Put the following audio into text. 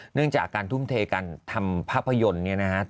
เนื่องจากการทุ่มเทการทำภาพยนตร์เนี่ยนะฮะ